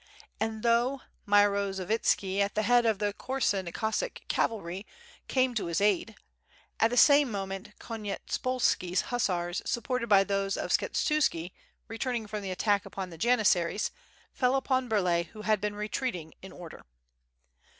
And though Myro zovitski at the head of the Korsun Cossack cavalry came to his aid, at the same moment Konyetspolski's hussars sup ported by those of Skshetuski, returning from the attack upon the Janissaries, fell upon Burlay who had been retreat ing in order.